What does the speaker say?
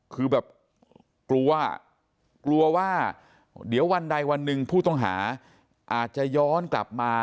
คือแบบกลัวกลัวว่าเดี๋ยววันใดวันหนึ่งผู้ต้องหาอาจจะย้อนกลับมา